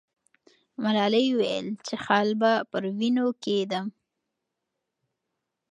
ملالۍ وویل چې خال به پر وینو کښېږدم.